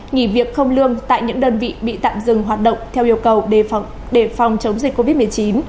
nghỉ việc không lương tại những đơn vị bị tạm dừng hoạt động theo yêu cầu để phòng chống dịch covid một mươi chín